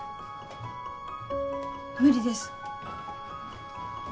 無理です。